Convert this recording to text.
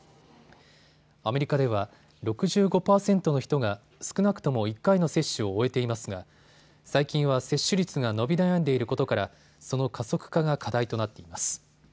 アメリカでは６５％の人が少なくとも１回の接種を終えていますが最近は接種率が伸び悩んでいることからその加速化が課題となっています。